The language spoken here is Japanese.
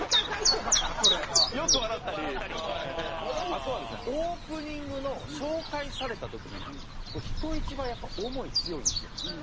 あとはですねオープニングの紹介された時人一倍やっぱ思い強いんですよ。